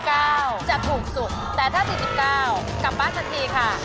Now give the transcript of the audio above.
คะ๓๙บาทจะถูกสุดแต่คะ๔๙บาทกลับบ้านทันทีค่ะ